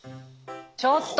ちょっと！